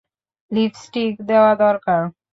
Lipstick দেওয়া দরকার।